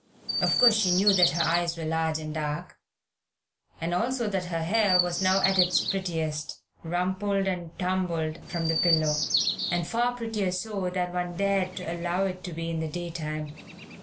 Of course, she knew that her eyes were large and dark, also that her hair was now at its prettiest, rumpled and tumbled from the pillow, and far prettier so than one dared to allow it to be in the daytime.